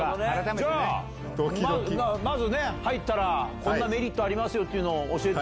じゃあ、まずね、入ったら、こんなメリットありますよというの、教えて。